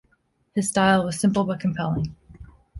His style was simple but compelling.